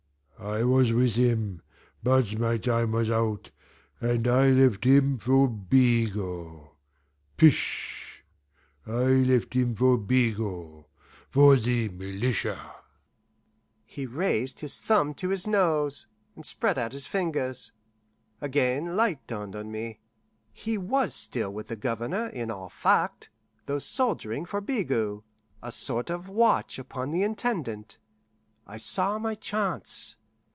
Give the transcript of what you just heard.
"I was with him, but my time was out, and I left him for Bigot. Pish! I left him for Bigot, for the militia!" He raised his thumb to his nose, and spread out his fingers. Again light dawned on me. He was still with the Governor in all fact, though soldiering for Bigot a sort of watch upon the Intendant. I saw my chance.